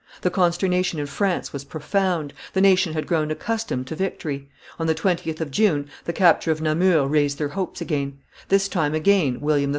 The consternation in France was profound; the nation had grown accustomed to victory; on the 20th of June the capture of Namur raised their hopes again; this time again William III.